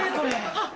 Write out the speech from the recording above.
あっ！